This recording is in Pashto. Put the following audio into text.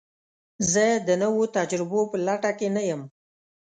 زه د نوو تجربو په لټه کې نه یم.